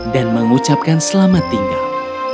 dan mengucapkan selamat tinggal